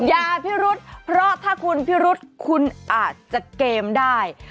อย่าพิรุษเพราะถ้าคุณพิรุษคุณอาจจะเกมได้